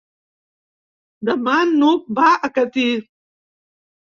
Demà n'Hug va a Catí.